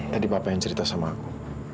tadi bapak yang cerita sama aku